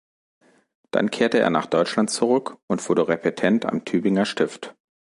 Dann kehrte er nach Deutschland zurück und wurde Repetent am Tübinger Stift.